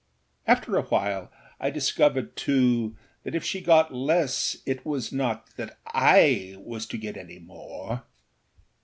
After a while I discovered too that if she got less it was not that I was to get any more.